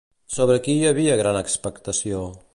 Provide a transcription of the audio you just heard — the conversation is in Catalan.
Sobre qui hi havia gran expectació?